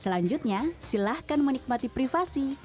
selanjutnya silakan menikmati privasi